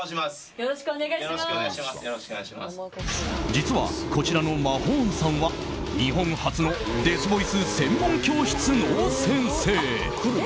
実は、こちらのＭＡＨＯＮＥさんは日本初のデスボイス専門教室の先生。